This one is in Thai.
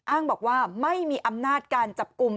อ้างบอกว่าไม่มีอำนาจการจับกลุ่ม